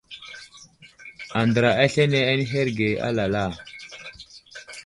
Andra aslane di anuherge alala.